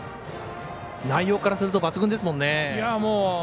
内容からすると、抜群ですもんね。